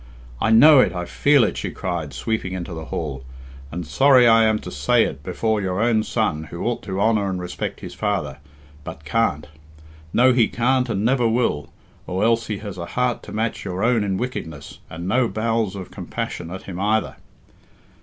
I know it, I feel it," she cried, sweeping into the hall, "and sorry I am to say it before your own son, who ought to honour and respect his father, but can't; no, he can't and never will, or else he has a heart to match your own in wickedness, and no bowels of compassion at him either."